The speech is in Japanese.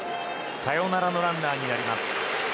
サヨナラのランナーになります。